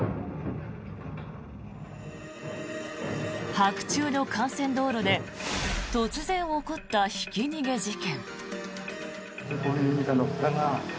白昼の幹線道路で突然起こったひき逃げ事件。